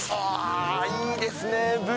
いいですね、ブリ。